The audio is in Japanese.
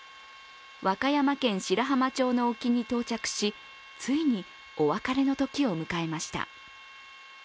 和歌山県白浜町の沖に到着しついにお別れの時を迎えました。